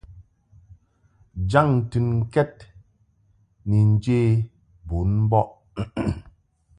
Jaŋ ntɨnkɛd ni njě bun mbɔʼ.